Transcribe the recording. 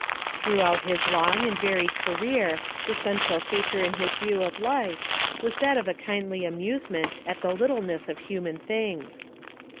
Throughout his long and varied career the central feature in his view of life was that of a kindly amusement at the little ness of human things.